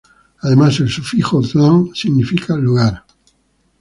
Además, el sufijo -tlan significa lugar.